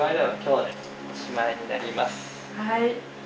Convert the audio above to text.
はい。